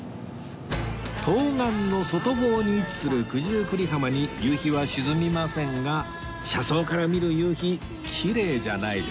東岸の外房に位置する九十九里浜に夕日は沈みませんが車窓から見る夕日きれいじゃないですか